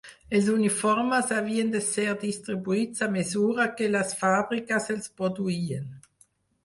Els uniformes havien de ser distribuïts a mesura que les fàbriques els produïen